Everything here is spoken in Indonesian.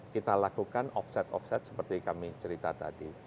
kita lakukan offset offset seperti kami cerita tadi